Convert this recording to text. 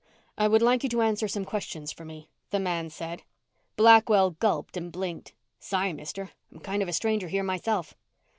"I would like you to answer some questions for me," the man said. Blackwell gulped and blinked. "Sorry, mister, I'm kind of a stranger here myself."